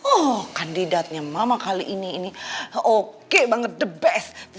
oh kandidatnya mama kali ini ini oke banget the best